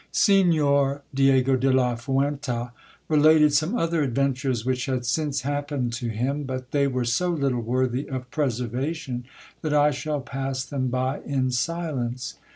SlGN'OR Diego de la Fuenta related some other adventures which had since happened to him ; but they were so little worthy of preservation, that I shall pass them by in silence.